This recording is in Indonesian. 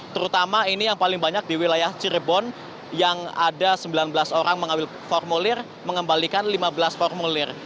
terutama ini yang paling banyak di wilayah cirebon yang ada sembilan belas orang mengambil formulir mengembalikan lima belas formulir